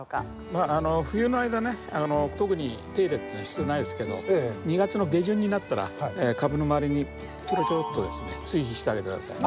まあ冬の間ね特に手入れっていうのは必要ないですけど２月の下旬になったら株の周りにチョロチョロッとですね追肥してあげて下さい。